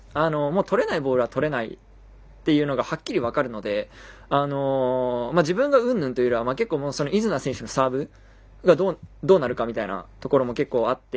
とれないボールはとれないっていうのがはっきり分かるので自分がうんぬんというよりは結構、イズナー選手のサーブがどうなるかみたいなところも結構あって。